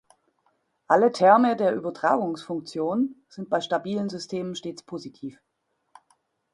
Alle Terme der Übertragungsfunktion sind bei stabilen Systemen stets positiv.